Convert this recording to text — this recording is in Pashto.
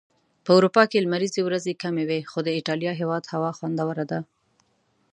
په اروپا کي لمريزي ورځي کمی وي.خو د ايټاليا هيواد هوا خوندوره ده